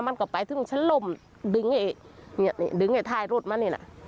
มันก็ไปถึงชั้นล่มดึงไอ้เนี่ยดึงไอ้ท้ายรถมานี่น่ะ